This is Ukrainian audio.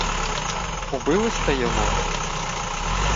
— Убили сте його?